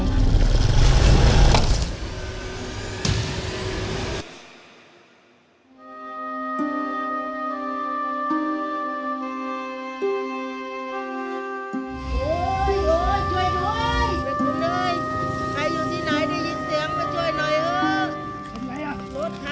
ช่วยด้วยช่วยด้วยช่วยด้วยใครอยู่ที่ไหนได้ยินเสียงก็ช่วยหน่อยเถอะ